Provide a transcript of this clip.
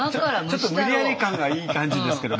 無理やり感がいい感じですけども。